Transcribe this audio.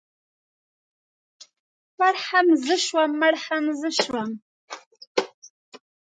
ـ پړ هم زه شوم مړ هم زه شوم.